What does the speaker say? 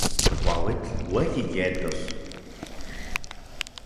Kuauitl ueyi yetos.